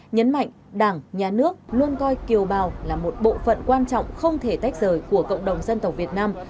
nhấn mạnh đảng nhà nước luôn coi kiều bào là một bộ phận quan trọng không thể tách rời của cộng đồng dân tộc việt nam